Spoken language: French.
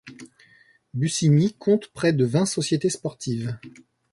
Bussigny compte près de vingt sociétés sportives.